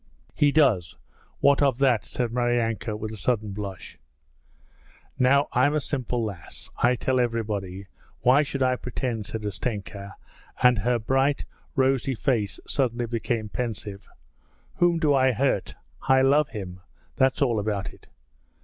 'He does. What of that?' said Maryanka with a sudden blush. 'Now I'm a simple lass. I tell everybody. Why should I pretend?' said Ustenka, and her bright rosy face suddenly became pensive. 'Whom do I hurt? I love him, that's all about it.'